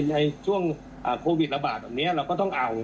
เย็นก็มีหวัดบรรลังเลง